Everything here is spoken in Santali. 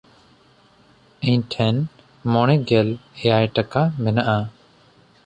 ᱤᱧ ᱴᱷᱮᱱ ᱢᱚᱬᱮᱜᱮᱞ ᱮᱭᱟᱭ ᱴᱟᱠᱟ ᱢᱮᱱᱟᱜᱼᱟ᱾